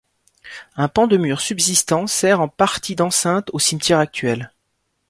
Un pan de mur subsistant sert en partie d'enceinte au cimetière actuel.